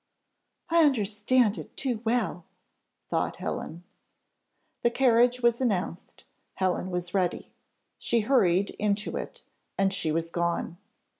"I understand it too well!" thought Helen. The carriage was announced, Helen was ready; she hurried into it, and she was gone!